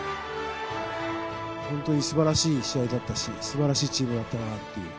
本当にすばらしい試合だったし、すばらしいチームだったなっていう。